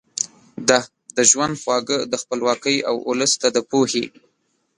ده د ژوند خواږه د خپلواکۍ او ولس ته د پوهې